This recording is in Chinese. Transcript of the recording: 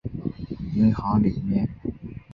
银行里面